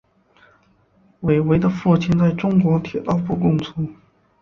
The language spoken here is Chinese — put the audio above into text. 韦唯的父亲在中国铁道部工作。